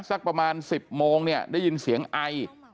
สักประมาณ๑๐โมงเนี่ยได้ยินเสียงไอ